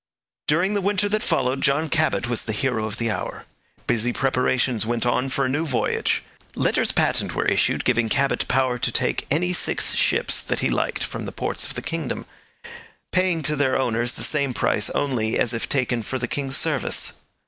During the winter that followed, John Cabot was the hero of the hour. Busy preparations went on for a new voyage. Letters patent were issued giving Cabot power to take any six ships that he liked from the ports of the kingdom, paying to their owners the same price only as if taken for the king's service.